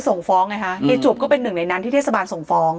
ส่งฟ้องไงฮะเฮีจวบก็เป็นหนึ่งในนั้นที่เทศบาลส่งฟ้อง